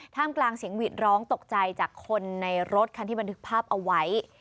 กลางเสียงหวีดร้องตกใจจากคนในรถคันที่บันทึกภาพเอาไว้